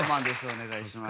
お願いします。